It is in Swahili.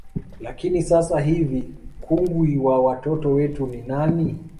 Lakini sasa hivi kungwi wa watoto wetu ni nani